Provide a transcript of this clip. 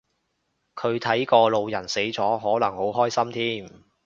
佢睇個老人死咗可能好開心添